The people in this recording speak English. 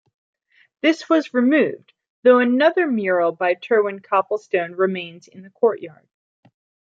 This was removed though another mural by Trewin Copplestone remains in the courtyard.